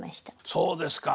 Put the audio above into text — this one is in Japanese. そうですか。